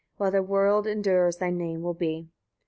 while the world endures thy name will be.